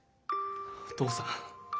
お父さん。